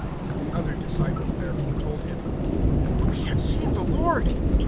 (25)The other disciples therefore said to him: We have seen the Lord.